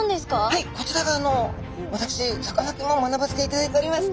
はいこちらが私さかなクンも学ばせていただいております